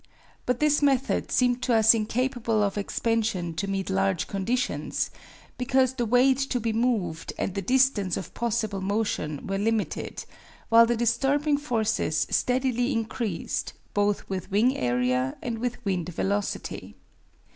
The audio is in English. But this method seemed to us incapable of expansion to meet large conditions, because the weight to be moved and the distance of possible motion were limited, while the disturbing forces steadily increased, both with wing area and with wind velocity.